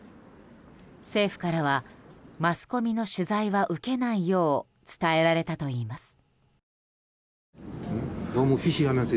政府からはマスコミの取材は受けないよう伝えられたといいます。